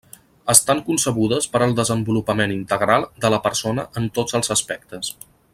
Estan concebudes per al desenvolupament integral de la persona en tots els aspectes.